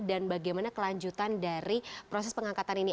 dan bagaimana kelanjutan dari proses pengangkatan ini